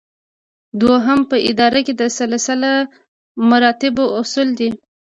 دوهم په اداره کې د سلسله مراتبو اصل دی.